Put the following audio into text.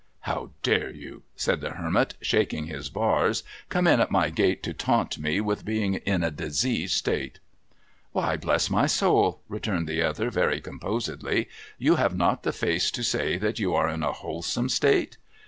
' How dare you,' said the Hermit, shaking his bars, ' come in at my gate, to taunt me with being in a diseased state ?'' Why, Lord bless my soul,' returned the other, very composedly, ' you have not the face to say that you are in a wholesome state